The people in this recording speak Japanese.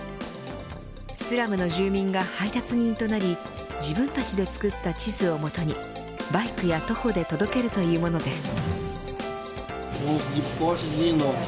スラムの住民が配達人となり自分たちで作った地図をもとにバイクや徒歩で届けるというものです。